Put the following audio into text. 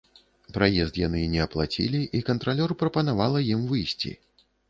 Праезд яны не аплацілі і кантралёр прапанавала ім выйсці.